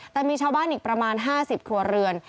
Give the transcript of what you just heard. แต่มีชาวบ้านอีกประมาณ๕๐ครัวเรือน